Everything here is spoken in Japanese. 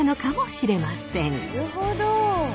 なるほど！